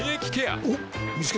おっ見つけた。